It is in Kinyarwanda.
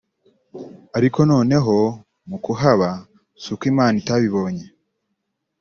ariko noneho mu kuhaba si uko Imana itabibonye